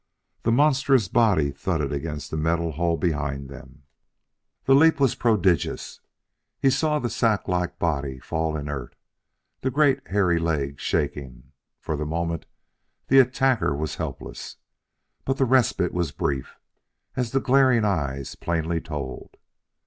The monstrous body thudded against the metal hull behind them. The leap was prodigious. He saw the sack like body fall inert, the great, hairy legs shaking. For the moment, the attacker was helpless: but the respite was brief, as the glaring eyes plainly told.